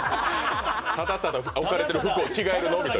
ただただ置かれてる服を着替えるだけという。